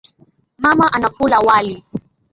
Mama anakula wali.